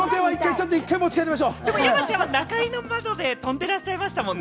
山ちゃんは『ナカイの窓』で飛んでらっしゃいましたもんね。